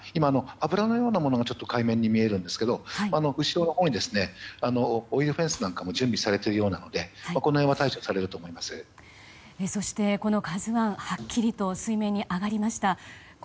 油のようなものがちょっと海面に見えますが後ろのほうにオイルフェンスも用意されているようなので「ＫＡＺＵ１」はっきりと水面に上がりました。